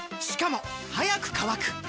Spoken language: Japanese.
しかも速く乾く！